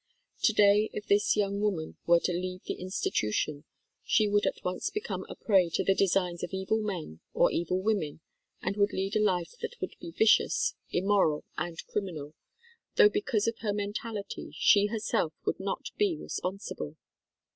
To day if this young woman were to leave the Institu tion, she would at once become a prey to the designs of evil men or evil women and would lead a life that would be vicious, immoral, and criminal, though because of her mentality she herself would not be responsible.